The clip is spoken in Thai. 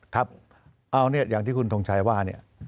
ครับเอาอย่างที่คุณทรงชัยว่า